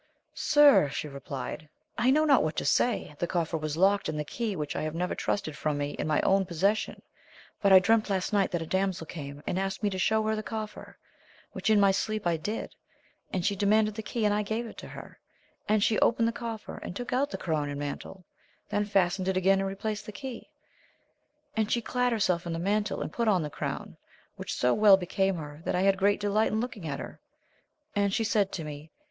Sir, she replied, I know not what to say ; the coflPer was locked, and the key, which I have never trusted from me, in my own possession ; but I dreamt last night that a damsel came and asked me to shew her the coffer, which in my sleep I did, and she demanded the key and I gave it her ; and she opened the coffer and took out the crown and mantle, then fastened it again and replaced the key. And she clad herself in the mantle and put on the crown, which so well became her that I had great delight in looking at her ; and she said to me.